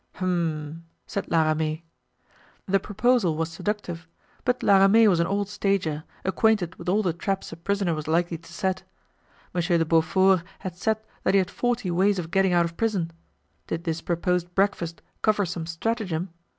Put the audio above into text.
"Hum!" said La Ramee. The proposal was seductive, but La Ramee was an old stager, acquainted with all the traps a prisoner was likely to set. Monsieur de Beaufort had said that he had forty ways of getting out of prison. Did this proposed breakfast cover some stratagem?